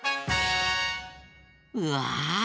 うわ！